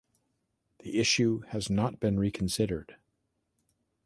The issue has not been reconsidered.